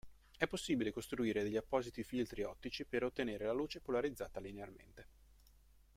È possibile costruire degli appositi filtri ottici per ottenere luce polarizzata linearmente.